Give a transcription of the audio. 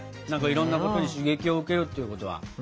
いろんなことに刺激を受けるっていうことは。